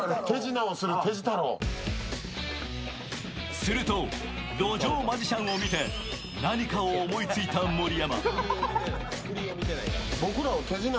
すると路上マジシャンを見て何かを思いついた盛山。